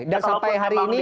dan sampai hari ini